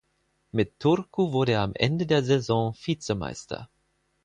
Mit Turku wurde er am Ende der Saison Vizemeister.